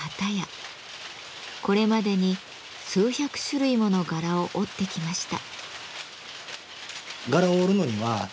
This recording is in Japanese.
これまでに数百種類もの柄を織ってきました。